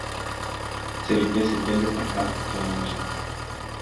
Цели десет деня прекарах по тоя начин.